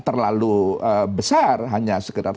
terlalu besar hanya sekedar